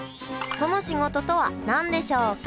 その仕事とは何でしょうか？